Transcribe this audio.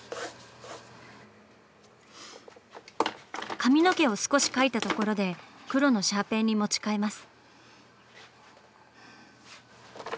髪の毛を少し描いたところで黒のシャーペンに持ち替えます。